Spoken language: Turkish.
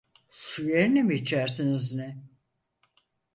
Su yerine mi içersiniz ne?